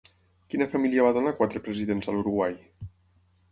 Quina família va donar quatre presidents a l'Uruguai?